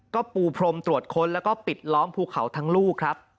ก็ปูพรมตรวจค้นแล้วก็ปิดล้อมภูเขาทั้งลูกครับ